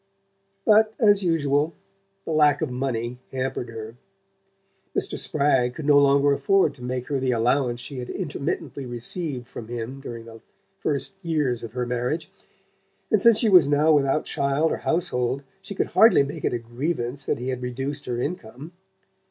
But, as usual, the lack of money hampered her. Mr. Spragg could no longer afford to make her the allowance she had intermittently received from him during the first years of her marriage, and since she was now without child or household she could hardly make it a grievance that he had reduced her income.